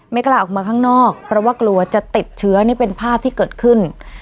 กล้าออกมาข้างนอกเพราะว่ากลัวจะติดเชื้อนี่เป็นภาพที่เกิดขึ้น